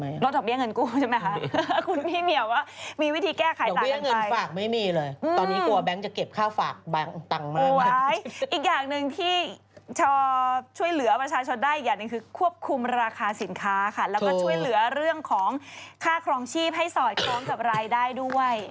อีกวิธีหนึ่งที่ชอช่วยเหลือประชาชนได้อย่างหนึ่งคือควบคุมราคาสินค้าค่ะแล้วก็ช่วยเหลือเรื่องของค่าครองชีพให้สอดคล้องกับรายได้ด้วย